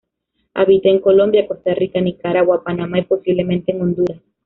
Habita en Colombia, Costa Rica, Nicaragua, Panamá y posiblemente en Honduras.